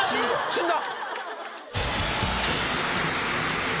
死んだ！